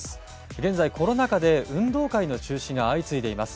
現在コロナ禍で運動会の中止が相次いでいます。